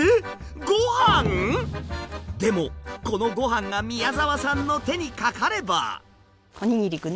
ごはん⁉でもこのごはんが宮澤さんの手にかかれば。